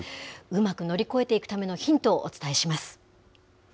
うまく乗り越えていくためのヒントをお伝えします。